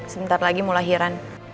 sebentar lagi mau lahiran